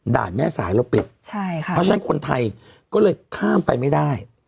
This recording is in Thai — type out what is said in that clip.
แม่สายเราปิดใช่ค่ะเพราะฉะนั้นคนไทยก็เลยข้ามไปไม่ได้